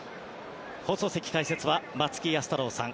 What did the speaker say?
放送席の解説は松木安太郎さん